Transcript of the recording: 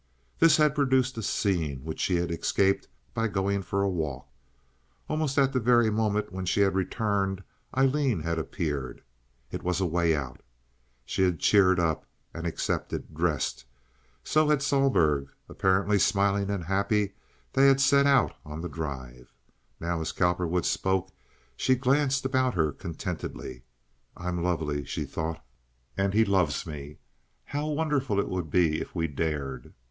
This had produced a scene which she had escaped by going for a walk. Almost at the very moment when she had returned Aileen had appeared. It was a way out. She had cheered up, and accepted, dressed. So had Sohlberg. Apparently smiling and happy, they had set out on the drive. Now, as Cowperwood spoke, she glanced about her contentedly. "I'm lovely," she thought, "and he loves me. How wonderful it would be if we dared."